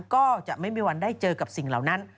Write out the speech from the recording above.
ก็จะไม่มีวันได้เจอกับสิ่งเหล่านั้น